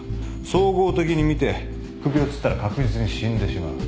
総合的に見て首をつったら確実に死んでしまう。